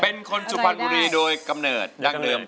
เป็นคนสุพรรณบุรีโดยกำเนิดดั้งเดิม